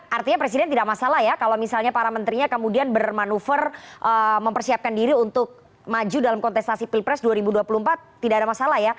artinya presiden tidak masalah ya kalau misalnya para menterinya kemudian bermanuver mempersiapkan diri untuk maju dalam kontestasi pilpres dua ribu dua puluh empat tidak ada masalah ya